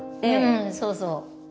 うんそうそう。